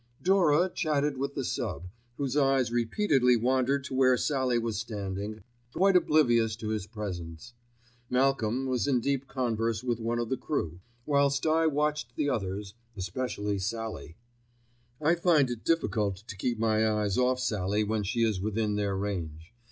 Dora chatted with the sub., whose eyes repeatedly wandered to where Sallie was standing quite oblivious to his presence. Malcolm was in deep converse with one of the crew, whilst I watched the others, especially Sallie. I find it difficult to keep my eyes off Sallie when she is within their range.